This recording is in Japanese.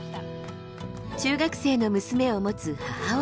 中学生の娘を持つ母親。